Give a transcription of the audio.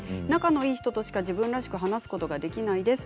仲がいい人としか自分らしく話すことができません。